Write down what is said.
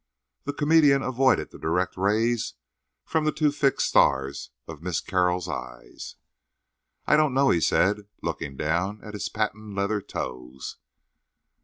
The comedian avoided the direct rays from the two fixed stars of Miss Carroll's eyes. "I don't know," he said, looking down at his patent leather toes.